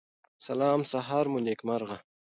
سلام سهار مو نیکمرغه